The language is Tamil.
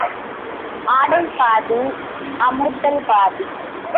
ஆடை பாதி, அமுத்தல் பாதி.